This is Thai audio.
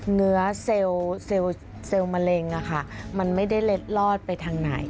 เนื้อเซลล์มะเร็งมันไม่ได้เล็ดลอดไปทางไหน